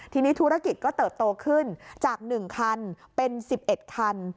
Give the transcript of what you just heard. ทีนี้ธุรกิจก็เติดโตขึ้นจากหนึ่งคันเป็นสิบเอ็ดคัน